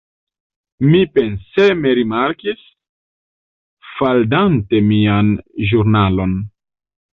Mi penseme rimarkis, faldante mian ĵurnalon.